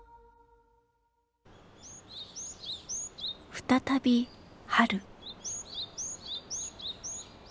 再び春。